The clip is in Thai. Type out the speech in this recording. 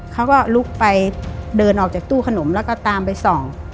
เขาก็ลุกไปเดินออกจากตู้ขนมแล้วก็ตามไปส่อง